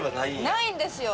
ないんですよ。